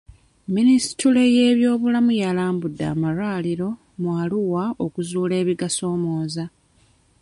Munisitule y'ebyobulamu yalambudde amalwaluro mu Arua okuzuula ebigasoomooza.